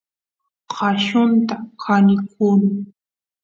qallunta kanikun